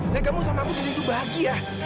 dan kamu sama aku disitu bahagia